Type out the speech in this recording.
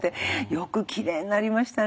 「よくきれいになりましたね」